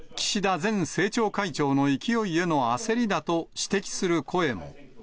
前政調会長の勢いへの焦りだと指摘する声も。